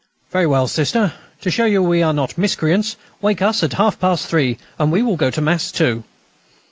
Very well, Sister, to show you we are not miscreants, wake us at half past three, and we will go to Mass too."